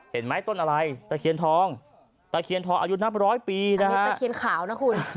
เห็นไหมต้นอะไรตะเคียนทองตะเคียนทองอายุนับร้อยปีนะฮะมีตะเคียนขาวนะคุณ